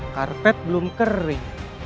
karpet belum kering